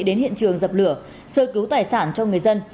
đến hiện trường dập lửa